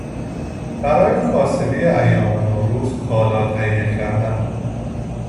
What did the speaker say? برای کاسبی ایام نوروز کالا تهیه کردن